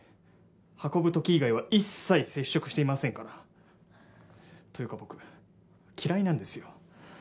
運ぶ時以外は一切接触していませんから。というか僕嫌いなんですよ。